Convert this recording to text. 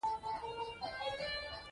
موږ د خپلو والدینو په مینه هغه وخت پوهېږو.